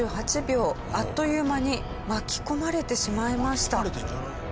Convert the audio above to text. あっという間に巻き込まれてしまいました。